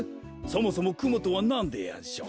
そもそもくもとはなんでやんしょ？